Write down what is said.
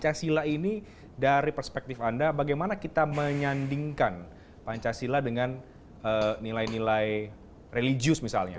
pancasila ini dari perspektif anda bagaimana kita menyandingkan pancasila dengan nilai nilai religius misalnya